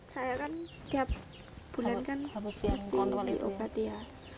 saya kan setiap bulan kan harus diobati ya